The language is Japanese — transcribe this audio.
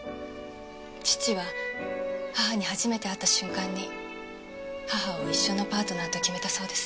父は母に初めて会った瞬間に母を一生のパートナーと決めたそうです。